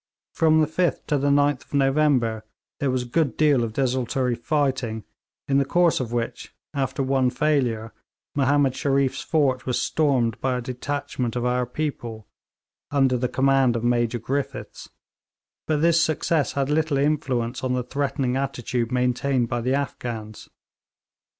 From the 5th to the 9th November there was a good deal of desultory fighting, in the course of which, after one failure, Mahomed Shereef's fort was stormed by a detachment of our people, under the command of Major Griffiths; but this success had little influence on the threatening attitude maintained by the Afghans.